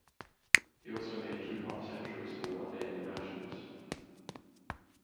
He also made two half centuries in the one day internationals.